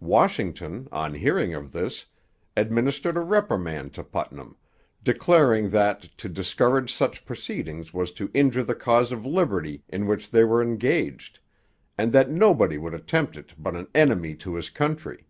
Washington, on hearing of this, administered a reprimand to Putnam, declaring 'that to discourage such proceedings was to injure the cause of liberty in which they were engaged, and that nobody would attempt it but an enemy to his country.'